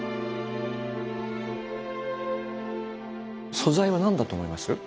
素材は何だと思います？